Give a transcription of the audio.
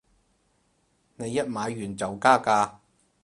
你一買完就加價